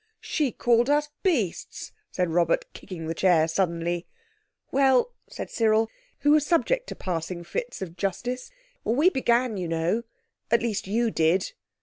"She called us beasts," said Robert, kicking the chair suddenly. "Well," said Cyril, who was subject to passing fits of justice, "we began, you know. At least you did."